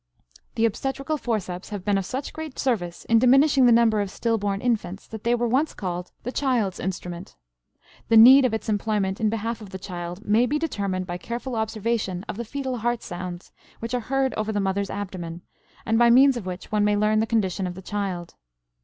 The obstetrical forceps have been of such great service in diminishing the number of still born infants that they were once called the child's instrument. The need of its employment in behalf of the child may be determined by careful observation of the fetal heart sounds, which are heard over the mother's abdomen, and by means of which one may learn the condition of the child.